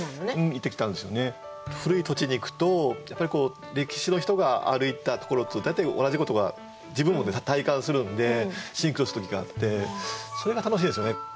古い土地に行くとやっぱり歴史の人が歩いたところと大体同じことが自分も体感するんでシンクロする時があってそれが楽しいですよね。